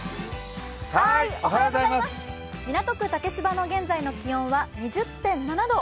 港区竹芝の現在の気温は２０．７度。